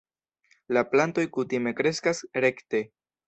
La plantoj kutime kreskas rekte.